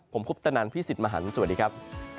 ผมคุปตนันพี่สิทธิ์มหันฯสวัสดีครับ